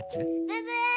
ブブー！